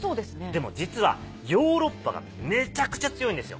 でも実はヨーロッパがめちゃくちゃ強いんですよ。